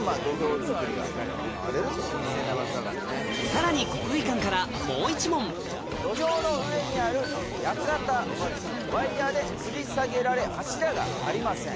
・さらに土俵の上にある屋形はワイヤでつり下げられ柱がありません。